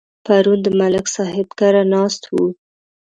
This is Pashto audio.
پرون د ملک صاحب کره ناست وو.